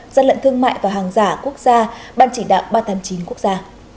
gian lận thương mại và hàng giả quốc gia ban chỉ đạo ba trăm tám mươi chín quốc gia